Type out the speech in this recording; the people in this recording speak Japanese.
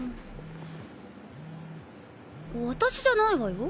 私じゃないわよ。